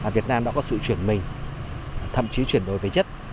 việt nam đã có sự chuyển mình thậm chí chuyển đổi về chất